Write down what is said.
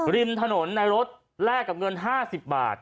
ริมถนนในรถแลกกับเงิน๕๐บาท